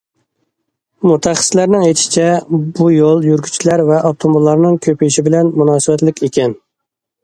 مۇتەخەسسىسلەرنىڭ ئېيتىشىچە، بۇ يول يۈرگۈچىلەر ۋە ئاپتوموبىللارنىڭ كۆپىيىشى بىلەن مۇناسىۋەتلىك ئىكەن.